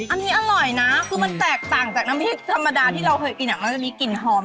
อันนี้อร่อยนะคือมันแตกต่างจากน้ำพริกธรรมดาที่เราเคยกินมันจะมีกลิ่นหอม